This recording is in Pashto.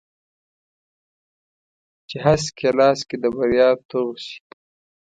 چې هسک یې لاس کې د بریا توغ شي